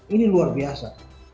ini luar biasa